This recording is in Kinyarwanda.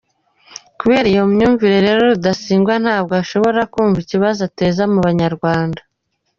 Kubera iyo myumvire rero, Rudasingwa ntabwo ashobora kumva ikibazo ateza mu banyarwanda.